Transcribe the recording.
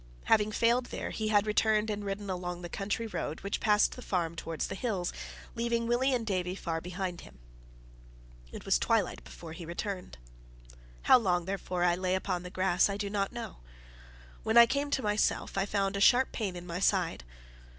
Having failed there, he had returned and ridden along the country road which passed the farm towards the hills, leaving Willie and Davie far behind him. It was twilight before he returned. How long, therefore, I lay upon the grass, I do not know. When I came to myself, I found a sharp pain in my side.